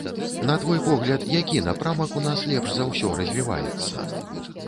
На твой погляд, які напрамак у нас лепш за ўсё развіваецца?